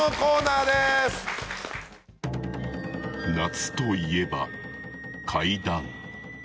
夏といえば怪談。